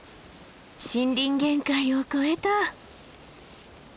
森林限界を越えた。